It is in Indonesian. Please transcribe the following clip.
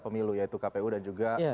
pemilu yaitu kpu dan juga